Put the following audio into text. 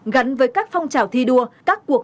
gắn với các phong trào thi đua các cuộc